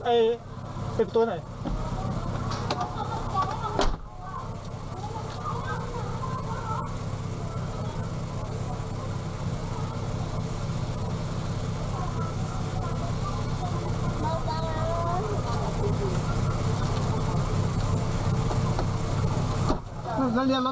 ช่วยผู้แก้ไขอย่างเพียง